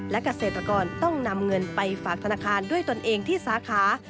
และเกษตรกรต้องนำเงินไปฝากธนาคารด้วยตนเองที่สาขา